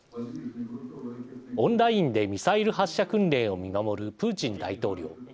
オンラインでミサイル発射訓練を見守るプーチン大統領。